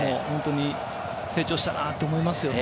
成長したなと思いますよね。